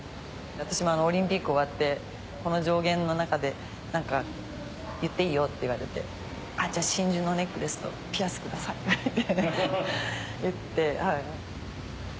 私オリンピック終わって「この上限の中で言っていいよ」って言われてじゃあ真珠のネックレスとピアスくださいって言って。